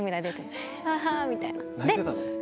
あぁみたいな。